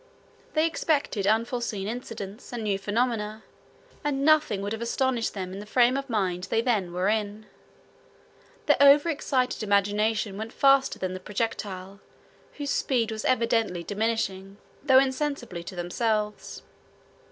They expected unforseen incidents, and new phenomena; and nothing would have astonished them in the frame of mind they then were in. Their overexcited imagination went faster than the projectile, whose speed was evidently diminishing, though insensibly to themselves.